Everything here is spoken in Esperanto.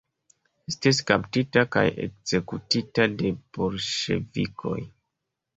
Estis kaptita kaj ekzekutita de bolŝevikoj.